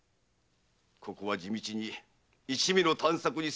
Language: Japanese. ここは地道に一味の探索に専念すべきです。